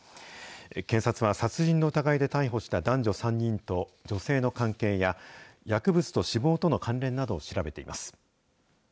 警察は殺人の疑いで逮捕した男女３人と女性の関係や、薬物と死亡との関連などを調べています。